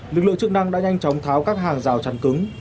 lực lượng chức năng đã nhanh chóng tháo các hàng rào chắn cứng